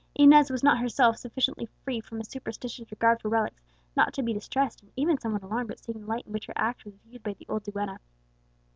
Inez was not herself sufficiently free from a superstitious regard for relics, not to be distressed and even somewhat alarmed at seeing the light in which her act was viewed by the old duenna.